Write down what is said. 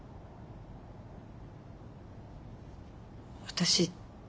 私。